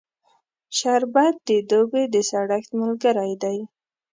شربت د دوبی د سړښت ملګری دی